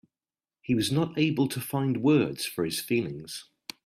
He was not able to find words for his feelings.